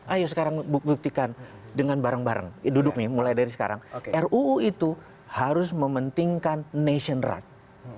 ayo sekarang buktikan dengan bareng bareng duduk nih mulai dari sekarang ruu itu harus mementingkan nation right